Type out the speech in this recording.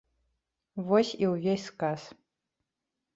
Вось і ўвесь сказ.